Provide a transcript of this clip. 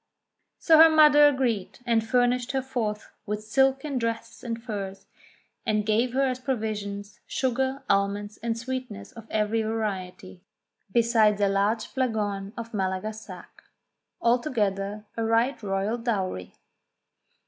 So her mother agreed, and furnished her forth with silken dresses and furs, and gave her as provisions, sugar, almonds. fiti^tmj,^^ and sweetmeats of every variety, besides a large flagon of Malaga sack. Altogether a right royal dowry.